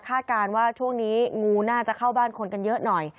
การว่าช่วงนี้งูน่าจะเข้าบ้านคนกันเยอะหน่อย